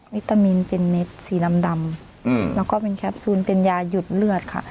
วิตามินเป็นเม็ดสีดำแล้วก็เป็นแคปซูลเป็นยาหยุดเลือดค่ะ